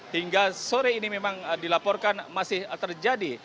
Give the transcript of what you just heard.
hingga sore ini memang dilaporkan masih terjadi